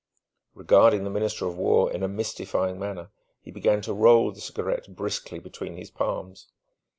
Regarding the Minister of War in a mystifying manner, he began to roll the cigarette briskly between his palms.